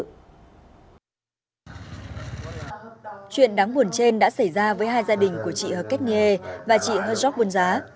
chuyện đáng buồn trên đã xảy ra với hai gia đình của chị hờ kết nghê và chị hờ giọc buôn giá